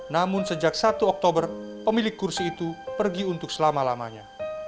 namun sejak satu oktober pemilik kursi itu pergi untuk selama lamanya